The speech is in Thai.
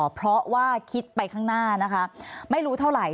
เพราะว่าคิดไปข้างหน้านะคะไม่รู้เท่าไหร่